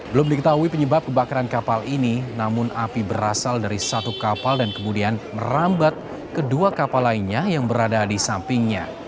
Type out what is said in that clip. belum diketahui penyebab kebakaran kapal ini namun api berasal dari satu kapal dan kemudian merambat kedua kapal lainnya yang berada di sampingnya